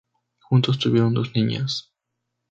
Juntos tuvieron dos niñas.